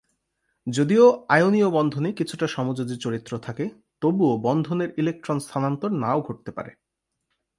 যদিও আয়নীয় বন্ধনে কিছুটা সমযোজী চরিত্র থাকে, তবুও বন্ধনের ইলেক্ট্রন স্থানান্তর নাও ঘটতে পারে।